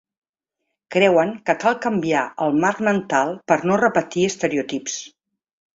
Creuen que cal canviar el marc mental per no repetir estereotips.